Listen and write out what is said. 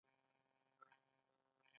هغه د سومنات معبد مات کړ.